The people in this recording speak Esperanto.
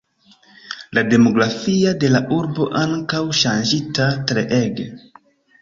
La demografia de la urbo ankaŭ ŝanĝita treege.